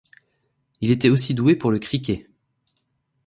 Il était aussi doué pour le Cricket.